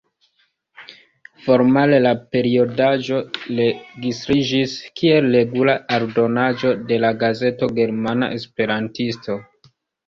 Formale la periodaĵo registriĝis kiel regula aldonaĵo de la gazeto Germana Esperantisto.